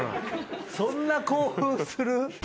そんな興奮する？